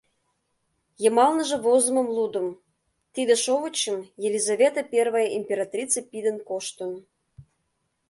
Йымалныже возымым лудым: «Тиде шовычым Елизавета Первая императрица пидын коштын».